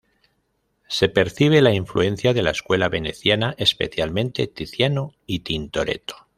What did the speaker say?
Se percibe la influencia de la escuela veneciana, especialmente Tiziano y Tintoretto.